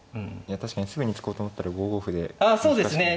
確かにすぐに突こうと思ったら５五歩で難しい。